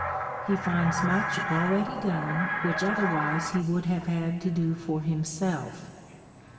He finds much already done which otherwise he would have had to do for himself.